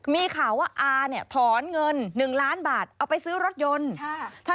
มีข่าวว่าอาเนี่ยถอนเงิน๑ล้านบาทเอาไปซื้อรถยนต์